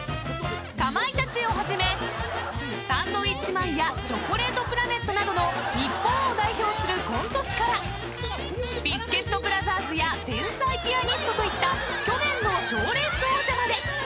かまいたちをはじめサンドウィッチマンやチョコレートプラネットなどの日本を代表するコント師からビスケットブラザーズや天才ピアニストといった去年の賞レース王者まで］